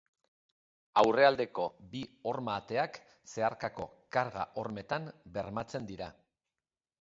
Aurrealdeko bi horma-arteak zeharkako karga-hormetan bermatzen dira.